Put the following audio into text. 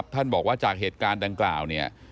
ท่านบอกว่าจากเหตุการณ์ดังกล่าวเนี่ย